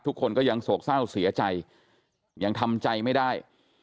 ทุกคนก็ยังโศกเศร้าเสียใจยังทำใจไม่ได้